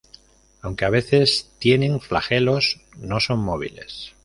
Aunque a veces tienen flagelos, no son móviles.